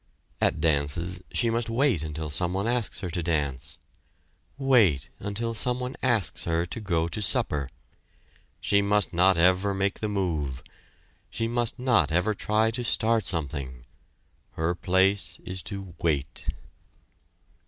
At dances she must wait until someone asks her to dance; wait until someone asks her to go to supper. She must not ever make the move she must not ever try to start something. Her place is to wait!